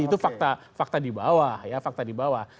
itu fakta di bawah